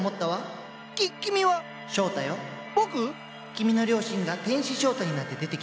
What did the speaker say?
君の良心が天使翔太になって出てきたのよ。